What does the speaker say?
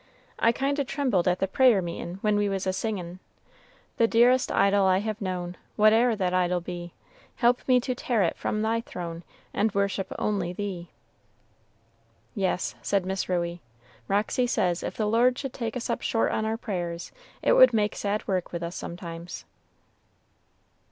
I kind o' trembled at the prayer meetin' when we was a singin', "'The dearest idol I have known, Whate'er that idol be, Help me to tear it from Thy throne, And worship only Thee.'" "Yes," said Miss Ruey, "Roxy says if the Lord should take us up short on our prayers, it would make sad work with us sometimes."